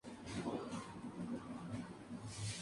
Fue el fin de la regencia de Espartero.